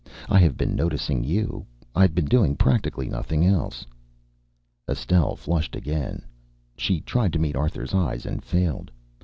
"I have been noticing you. I've been doing practically nothing else." Estelle flushed again. She tried to meet Arthur's eyes and failed.